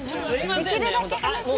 できるだけ話を。